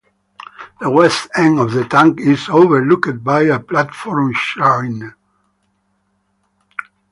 The west end of the tank is overlooked by a platform shrine.